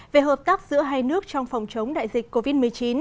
về hợp tác giữa hai nước trong phòng chống đại dịch covid một mươi chín